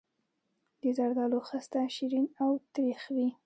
د زردالو خسته شیرین او تریخ وي.